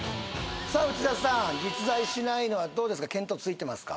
さあ内田さん実在しないのはどうですか見当ついてますか？